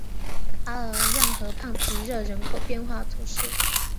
阿尔让河畔皮热人口变化图示